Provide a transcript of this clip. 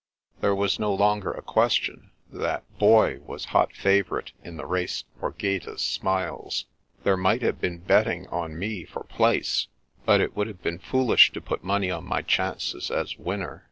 There was no longer a question that Boy was hot favourite in the race for Gaeta's smiles. There might have been betting on me for " place/' but it would have been foolish to put money on my chances as winner.